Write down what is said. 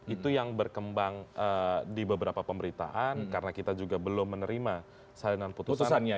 itu yang berkembang di beberapa pemberitaan karena kita juga belum menerima salinan putusannya